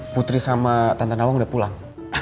putri sama tante nawang udah pulang